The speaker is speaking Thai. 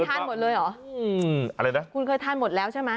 อืมอะไรนะคุณเคยทานหมดแล้วใช่ไหม